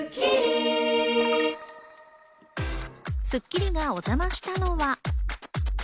『スッキリ』がお邪魔したのは。